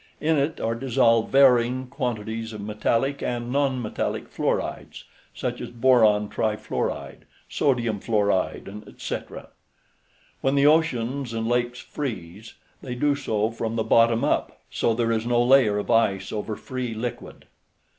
In it are dissolved varying quantities of metallic and non metallic fluorides, such as boron trifluoride, sodium fluoride, etc. When the oceans and lakes freeze, they do so from the bottom up, so there is no layer of ice over free liquid.